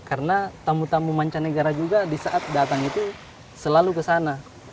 karena tamu tamu mancanegara juga di saat datang itu selalu ke sana